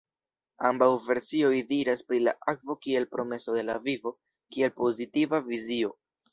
Ambaŭ versioj diras pri la akvo kiel „promeso de la vivo“ kiel pozitiva vizio.